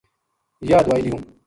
یاہ دوائی لیوں